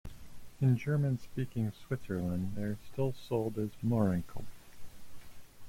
In German-speaking Switzerland they are still sold as "Mohrenkopf".